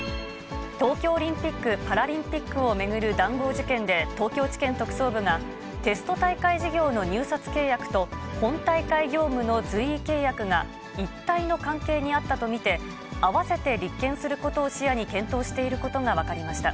東京オリンピック・パラリンピックを巡る談合事件で東京地検特捜部が、テスト大会事業の入札契約と、本大会業務の随意契約が一体の関係にあったと見て、合わせて立件することを視野に検討していることが分かりました。